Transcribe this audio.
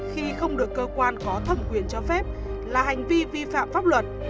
khi không được cơ quan có thẩm quyền cho phép là hành vi vi phạm pháp luật